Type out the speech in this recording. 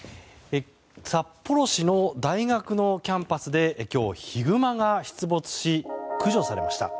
札幌市の大学のキャンパスで今日、ヒグマが出没し駆除されました。